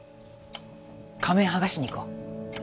仮面剥がしに行こう。